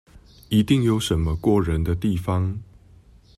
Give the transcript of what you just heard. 一定有什麼過人的地方